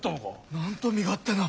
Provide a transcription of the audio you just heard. なんと身勝手な！